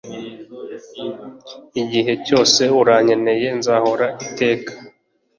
igihe cyose urankeneye nzahoraho iteka